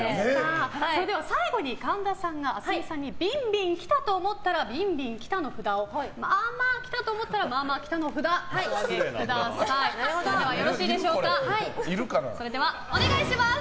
では、最後に神田さんがａｓｍｉさんにビンビンきたと思ったらビンビンきたの札をまあまあきたと思ったらまぁまぁきたの札お願いします。